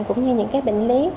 cũng như những cái bệnh lý